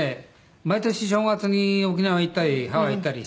毎年正月に沖縄行ったりハワイ行ったりしてたんですけど